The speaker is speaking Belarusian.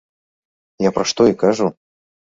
Я пра што і кажу.